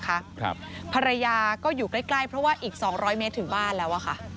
ครับภรรยาก็อยู่ใกล้ใกล้เพราะว่าอีกสองร้อยเมตรถึงบ้านแล้วอ่ะค่ะ